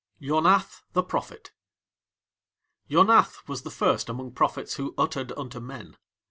YONATH THE PROPHET Yonath was the first among prophets who uttered unto men.